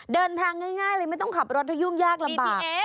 เดินทางง่ายเลยไม่ต้องขับรถหยุ่งยากลำบาก